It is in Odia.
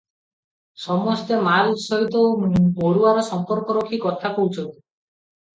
ସମସ୍ତେ ମାଲ ସହିତ ମରୁଆର ସମ୍ପର୍କ ରଖି କଥା କହୁଛନ୍ତି ।